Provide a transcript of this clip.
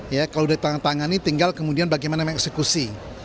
kalau sudah ditangani tinggal kemudian bagaimana mengeksekusi